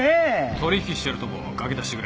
取引してるとこ書き出してくれ。